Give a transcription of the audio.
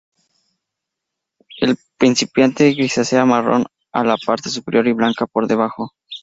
Es principalmente grisácea marrón en la parte superior y blanca por debajo.